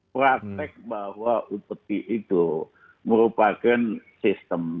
pratek bahwa upp itu merupakan sistem